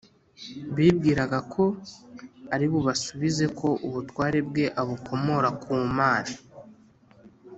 bibwiraga ko ari bubasubize ko ubutware bwe abukomora ku mana